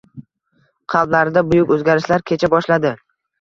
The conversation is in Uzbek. Qalblarida buyuk o‘zgarishlar kecha boshladi